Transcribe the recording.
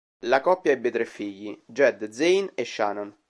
La coppia ebbe tre figli, Jed, Zane e Shannon.